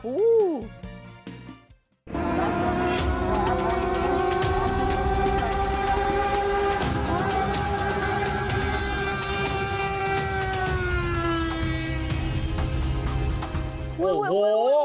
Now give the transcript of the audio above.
โอ้โห